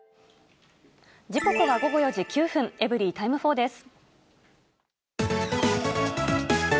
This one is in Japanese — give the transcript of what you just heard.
時刻は午後４時９分、エブリィタイム４です。